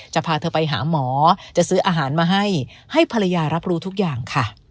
จะพาเธอไปหาหมอจะซื้ออาหารมาให้ให้ภรรยารับรู้ทุกอย่างค่ะ